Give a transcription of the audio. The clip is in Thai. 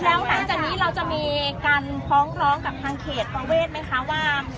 แล้วหลังจากนี้เราจะมีการฟ้องทรองกับทางเขตมาเวรทำไมคะ